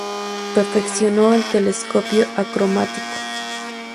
Perfeccionó el telescopio acromático.